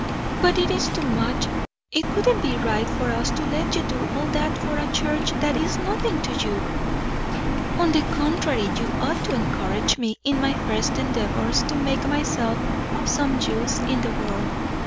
"But it is too much; it wouldn't be right for us to let you do all that for a church that is nothing to you." "On the contrary, you ought to encourage me in my first endeavours to make myself of some use in the world.